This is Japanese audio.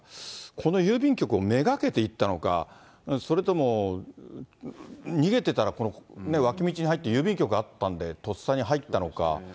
この郵便局をめがけて行ったのか、それとも逃げてたら、この脇道に入って、郵便局があったんで、とっさに入ったのか。